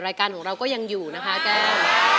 รายการของเราก็ยังอยู่นะคะแก้ม